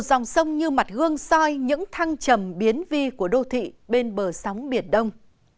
ông như mặt gương soi những thăng trầm biến vi của đô thị bên bờ sóng biển đông